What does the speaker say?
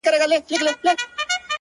د تل لپاره ـ